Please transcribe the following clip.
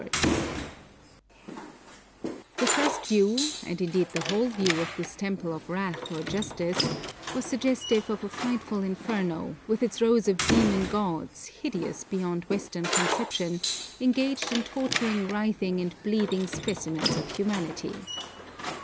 [Illustration: SOME INSTRUMENTS OF BUDDHIST WORSHIP] The first view, and indeed the whole view of this temple of Wrath or Justice, was suggestive of a frightful Inferno, with its rows of demon gods, hideous beyond Western conception, engaged in torturing writhing and bleeding specimens of humanity.